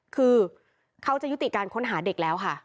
คือเขาจะยุติการค้นหาเด็กแล้วค่ะ